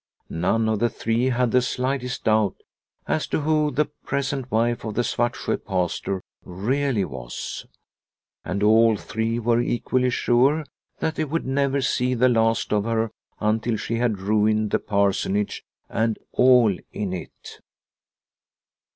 None of the three had the slightest doubt as to who the present wife of the Svartsjo Pastor really was, and all three were equally sure that they would never see the last of her until she had ruined the Par sonage and all in it.